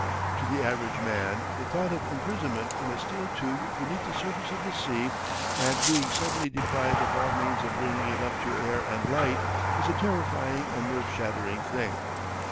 To the average man the thought of imprisonment in a steel tube beneath the surface of the sea, and being suddenly deprived of all means of bringing it up to air and light is a terrifying and nerve shattering thing.